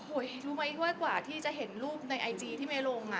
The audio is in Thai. โอ้ยรู้ไหมที่ว่ากว่าที่จะเห็นรูปในไอจีที่ไม่ลงอ่ะ